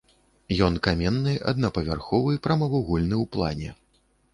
Ён каменны, аднапавярховы, прамавугольны ў плане.